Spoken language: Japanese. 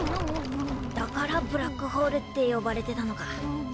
だからブラックホールって呼ばれてたのか。